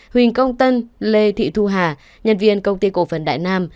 huỳnh công tân lê thị thu hà nhân viên công ty cổ phần đại nam